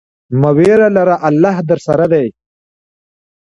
مه ویره لره، الله درسره دی.